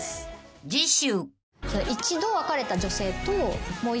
［次週］